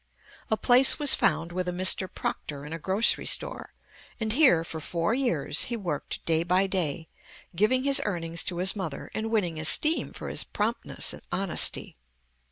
A place was found with a Mr. Proctor in a grocery store, and here, for four years, he worked day by day, giving his earnings to his mother, and winning esteem for his promptness and honesty.